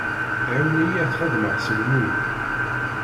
Ɛiwen-iyi ad t-xedmeɣ s lmul.